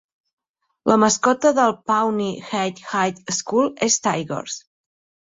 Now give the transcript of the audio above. La mascota del Pawnee Heights High School és Tigers.